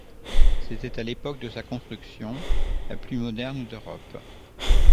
C'était à l'époque de sa construction, la plus moderne d'Europe.